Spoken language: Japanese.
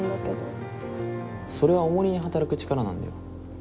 それはおもりに働く力なんだよ。